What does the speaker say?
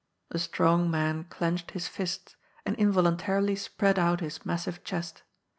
The strong man clenched his fists, and involuntarily spread out his massive chest.